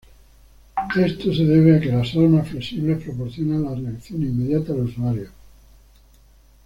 Esto se debe a que las armas flexibles proporcionan la reacción inmediata al usuario.